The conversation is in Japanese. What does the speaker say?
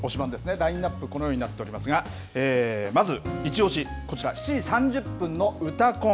ラインナップ、このようになっておりますが、まず一押し、こちら７時３０分のうたコン。